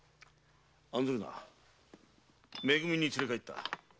案ずるなめ組に連れ帰った。